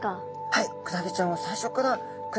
はい。